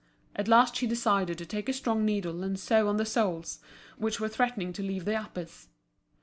At last she decided to take a strong needle and sew on the soles, which were threatening to leave the uppers.